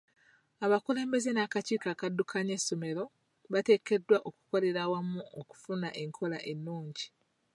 Abakulembeze n'akakiiko okaddukanya essomero bateekeddwa okukolera awamu okufuna enkola ennungi.